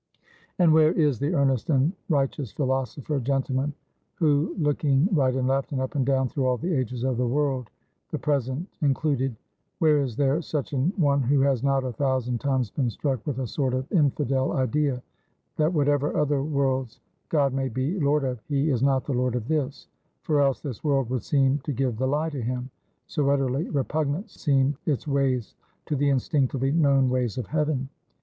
"And where is the earnest and righteous philosopher, gentlemen, who looking right and left, and up and down, through all the ages of the world, the present included; where is there such an one who has not a thousand times been struck with a sort of infidel idea, that whatever other worlds God may be Lord of, he is not the Lord of this; for else this world would seem to give the lie to Him; so utterly repugnant seem its ways to the instinctively known ways of Heaven.